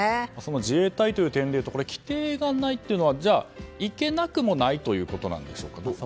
自衛隊という点でいうと規定がないというのはじゃあ、行けなくもないということですか。